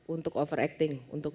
untuk overacting untuk